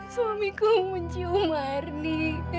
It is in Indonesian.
suamiku mencium marni